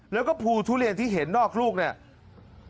แล้วก็ภูทุเรียนที่เห็นนอกลูกเนี่ย